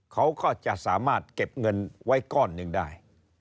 เขาก็จะสามารถเก็บเงินไว้ก้อนหนึ่งได้